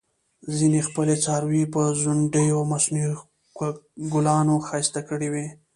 ځینې خپل څاروي په ځونډیو او مصنوعي ګلانو ښایسته کړي وي.